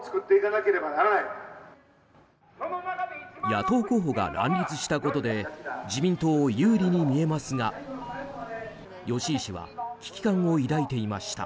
野党候補が乱立したことで自民党有利に見えますが吉井氏は危機感を抱いていました。